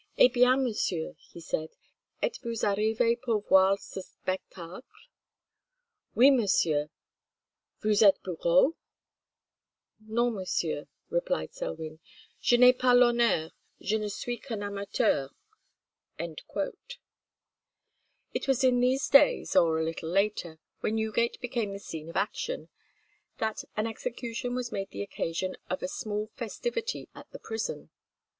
'Eh bien, monsieur,' he said, 'Etes vous arrivé pour voir ce spectacle?' 'Oui, monsieur.' 'Vous êtes bourreau?' 'Non, monsieur,' replied Selwyn, 'je n'ai pas l'honneur; je ne suis qu'un amateur.'" It was in these days, or a little later, when Newgate became the scene of action, that an execution was made the occasion of a small festivity at the prison.